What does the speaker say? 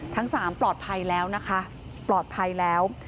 ทั้ง๓ปลอดภัยแล้วนะคะปลอดภัยแล้ว